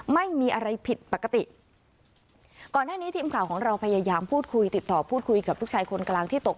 ไม่มีอะไรผิดปกติก่อนหน้านี้ทีมข่าวของเราพยายามพูดคุยติดต่อพูดคุยกับลูกชายคนกลางที่ตก